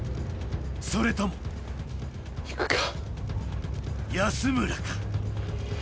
それとも安村か？